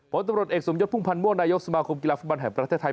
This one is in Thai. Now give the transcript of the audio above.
ผลตำรวจเอกสมยศพุ่มพันธ์ม่วงนายกสมาคมกีฬาฟุตบอลแห่งประเทศไทย